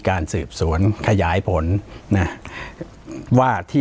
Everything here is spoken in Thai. ปากกับภาคภูมิ